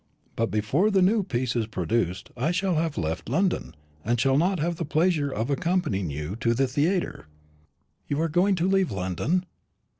But before the new piece is produced I shall have left London, and shall not have the pleasure of accompanying you to the theatre." "You are going to leave London?"